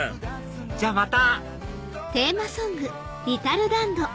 じゃあまた！